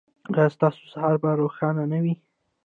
ایا ستاسو سهار به روښانه نه وي؟